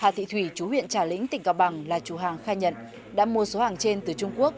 hà thị thủy chú huyện trà lĩnh tỉnh cao bằng là chủ hàng khai nhận đã mua số hàng trên từ trung quốc